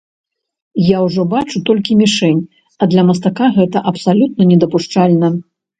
Я ўжо бачу толькі мішэнь, а для мастака гэта абсалютна недапушчальна.